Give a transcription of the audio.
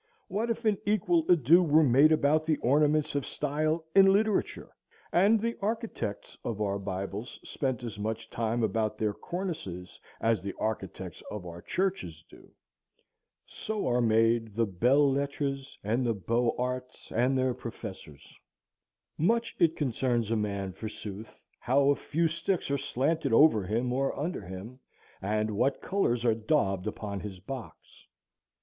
What if an equal ado were made about the ornaments of style in literature, and the architects of our bibles spent as much time about their cornices as the architects of our churches do? So are made the belles lettres and the beaux arts and their professors. Much it concerns a man, forsooth, how a few sticks are slanted over him or under him, and what colors are daubed upon his box.